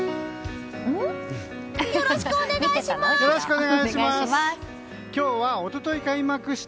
よろしくお願いします！